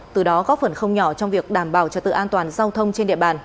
từ đó góp phần không nhỏ trong việc đảm bảo cho tự an toàn giao thông trên địa bàn